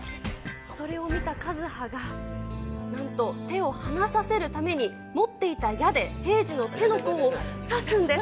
それを見た和葉が、なんと手を離させるために、持っていた矢で平次の手の甲を刺すんです。